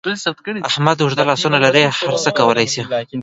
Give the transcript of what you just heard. احمد اوږده لاسونه لري؛ هر څه کولای شي.